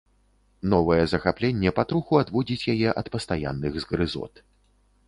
Новае захапленне патроху адводзіць яе ад пастаянных згрызот.